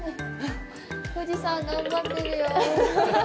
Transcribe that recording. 富士山、頑張ってるよ！